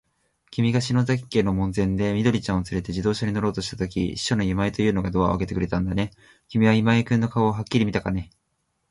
きみが篠崎家の門前で、緑ちゃんをつれて自動車に乗ろうとしたとき、秘書の今井というのがドアをあけてくれたんだね。きみは今井君の顔をはっきり見たのかね。